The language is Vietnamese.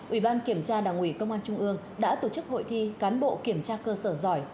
ủy ban kiểm tra đảng ủy công an trung ương đã tổ chức hội thi cán bộ kiểm tra cơ sở giỏi